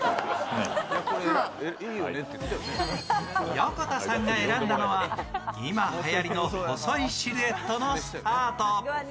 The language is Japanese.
横田さんが選んだのは今、はやりの細いシルエットのスカート。